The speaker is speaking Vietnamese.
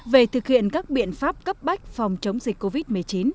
về thực hiện các biện pháp cấp bách phòng chống dịch covid một mươi chín